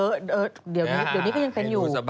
เดี๋ยวนี้ก็ยังเป็นอยู่